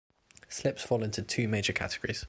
Slips fall into two major categories.